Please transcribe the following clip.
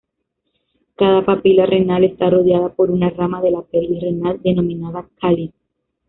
Cada papila renal está rodeada por una rama de la pelvis renal denominada cáliz.